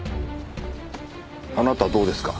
あなたはどうですか？